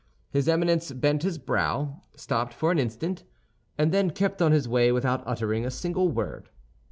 His Eminence bent his brow, stopped for an instant, and then kept on his way without uttering a single word.